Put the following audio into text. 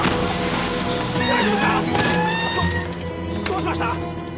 どうしました？